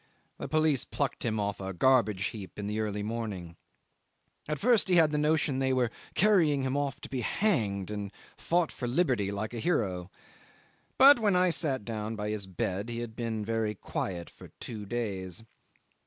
The police plucked him off a garbage heap in the early morning. At first he had a notion they were carrying him off to be hanged, and fought for liberty like a hero, but when I sat down by his bed he had been very quiet for two days.